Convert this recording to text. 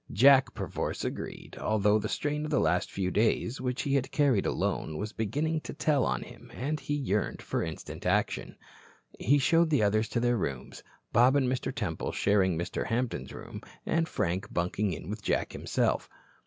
Jack, perforce, agreed, although the strain of the last few days, which he had carried alone, was beginning to tell on him and he yearned for instant action. He showed the others to their rooms, Bob and Mr. Temple sharing Mr. Hampton's room, and Frank bunking in with Jack himself.